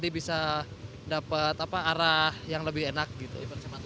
bisa dapat arah yang lebih enak gitu